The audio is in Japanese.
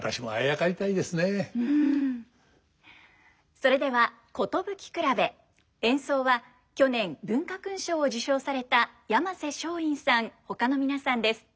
それでは「寿くらべ」演奏は去年文化勲章を受章された山勢松韻さんほかの皆さんです。